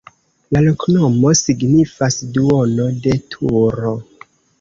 La loknomo signifas: duono de turo.